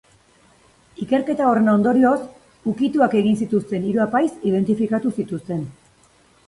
Ikerketa horren ondorioz ukituak egin zituzten hiru apaiz identifikatu zituzten.